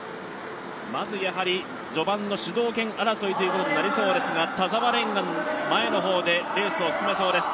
まず序盤の主導権争いになりそうですが田澤廉が前の方でレースを進めそうです。